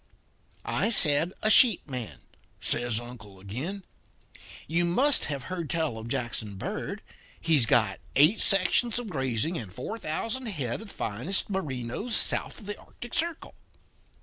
"'I said a sheep man,' says Uncle Emsley again. 'You must have heard tell of Jackson Bird. He's got eight sections of grazing and four thousand head of the finest Merinos south of the Arctic Circle.'